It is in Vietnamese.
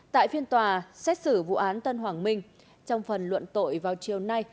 tại phiên tòa xét xử vụ án tân hoàng minh trong phần luận tội vào chiều nay